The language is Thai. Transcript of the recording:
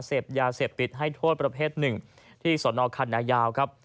เสพยาเสพติดให้โทษประเภทหนึ่งที่สนคันนายาวครับ